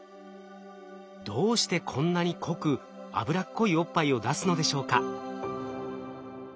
どうしてこんなに濃く脂っこいおっぱいを出すのでしょうか。